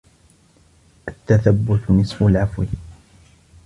التَّثَبُّتُ نِصْفُ الْعَفْوِ